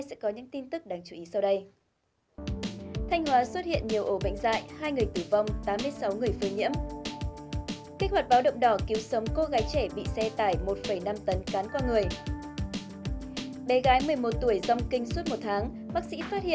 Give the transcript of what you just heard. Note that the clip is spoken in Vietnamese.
các bạn hãy đăng ký kênh để ủng hộ kênh của chúng mình nhé